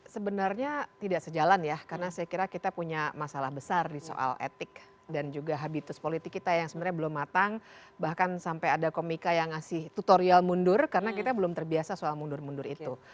sebenarnya tidak sejalan ya karena saya kira kita punya masalah besar di soal etik dan juga habitus politik kita yang sebenarnya belum matang bahkan sampai ada komika yang ngasih tutorial mundur karena kita belum terbiasa soal mundur mundur itu